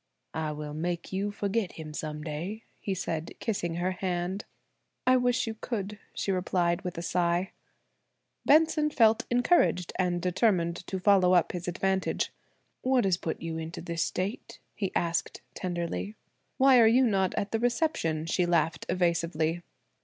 "I will make you forget him some day," he said, kissing her hand. "I wish you could," she replied with a sigh. Benson felt encouraged, and determined to follow up his advantage. "What has put you in this state?" he asked tenderly. "Why are you not at the reception?" she laughed evasively.